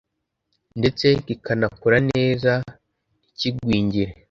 ndetse kikanakura neza ntikigwingire.